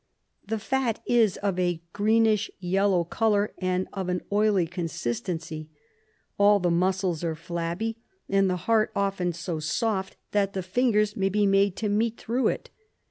The fat is of a greenish yellow colour, and of an oily consistence. All the muscles are flabby, and the heart often so soft that the fingers may be made to meet through it.